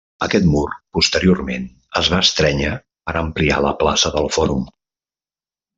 Aquest mur posteriorment es va estrènyer per ampliar la plaça del fòrum.